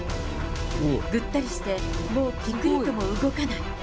ぐったりして、もうぴくりとも動かない。